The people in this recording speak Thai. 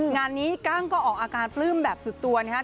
งานนี้กั้งก็ออกอาการปลื้มแบบสุดตัวนะครับ